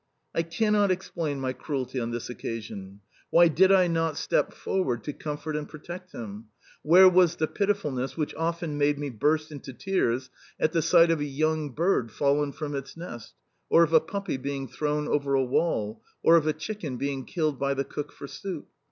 I cannot explain my cruelty on this occasion. Why did I not step forward to comfort and protect him? Where was the pitifulness which often made me burst into tears at the sight of a young bird fallen from its nest, or of a puppy being thrown over a wall, or of a chicken being killed by the cook for soup?